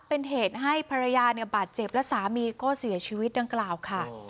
เป็นเหตุให้ภรรยาเนี่ยบาดเจ็บและสามีก็เสียชีวิตดังกล่าวค่ะ